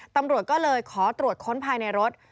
ตำรวจก็เลยขอตรวจค้นภายในรถ